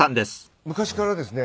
昔からですね